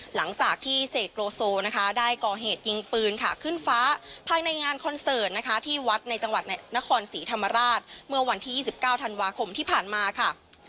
หลังจากที่เสกโลโซนะคะได้ก่อเหตุยิงปืนค่ะขึ้นฟ้าภายในงานคอนเสิร์ตนะคะที่วัดในจังหวัดนครศรีธรรมราชเมื่อวันที่๒๙ธันวาคมที่ผ่านมาค่ะ